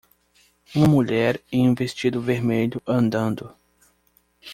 Uma mulher em um vestido vermelho andando.